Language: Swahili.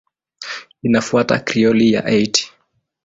Inafuata Krioli ya Haiti.